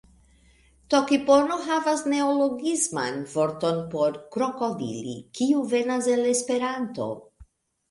Tokipono havas neologisman vorton por krokodili, kiu venas el Esperanto.